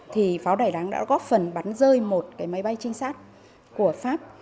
thì pháo đài đắng đã góp phần bắn rơi một cái máy bay trinh sát của pháp